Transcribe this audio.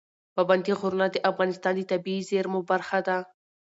پابندی غرونه د افغانستان د طبیعي زیرمو برخه ده.